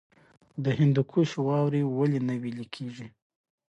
د هندوکش واورې ولې نه ویلی کیږي؟